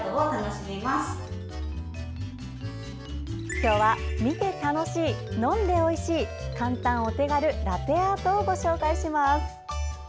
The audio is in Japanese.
今日は見て楽しい、飲んでおいしい簡単お手軽ラテアートをご紹介します。